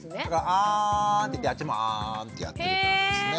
「あん」ってやってあっちも「あん」ってやってるってことですね。